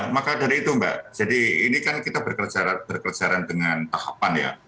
maka dari itu mbak jadi ini kan kita berkerjaan dengan tahapan ya